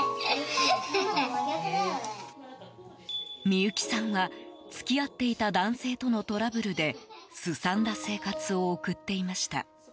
ミユキさんは、付き合っていた男性とのトラブルで荒んだ生活を送っていました。